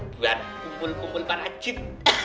biar kumpul kumpul para cip